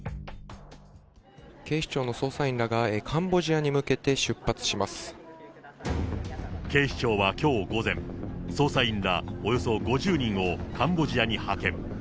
警視庁の捜査員らが、警視庁はきょう午前、捜査員らおよそ５０人をカンボジアに派遣。